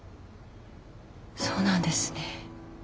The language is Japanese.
そうなんですね。